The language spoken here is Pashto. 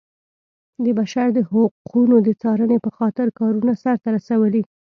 د بشر د حقونو د څارنې په خاطر کارونه سرته رسولي.